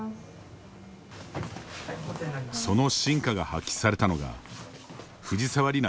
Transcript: その真価が発揮されたのが藤沢里菜